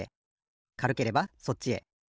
かるければそっちへ。